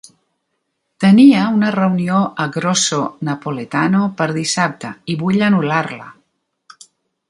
Tenia una reunió a Grosso Napoletano per dissabte i vull anul·lar-la.